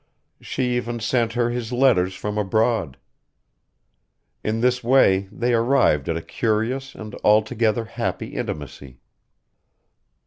She even sent her his letters from abroad. In this way they arrived at a curious and altogether happy intimacy.